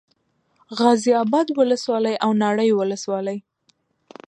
غازي اباد ولسوالي او ناړۍ ولسوالي